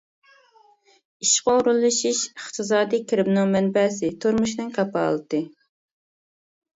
ئىشقا ئورۇنلىشىش ئىقتىسادىي كىرىمنىڭ مەنبەسى، تۇرمۇشنىڭ كاپالىتى.